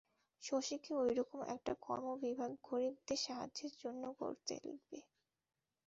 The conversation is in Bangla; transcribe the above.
শশীকে ঐ রকম একটা কর্মবিভাগ গরীবদের সাহায্যের জন্য করতে লিখবে।